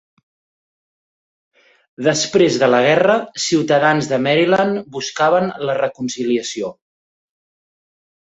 Després de la guerra, ciutadans de Maryland buscaven la reconciliació.